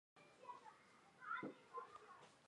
人造卫星一般由有效载荷和卫星平台两部分构成。